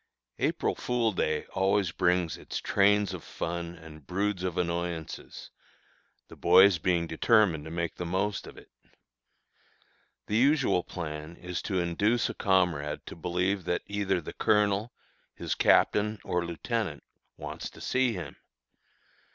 April fool day always brings its trains of fun and broods of annoyances, the boys being determined to make the most of it. The usual plan is to induce a comrade to believe that either the colonel, his captain, or lieutenant, wants to see him.